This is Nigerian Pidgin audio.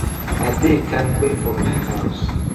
I dey kampe for my hawz.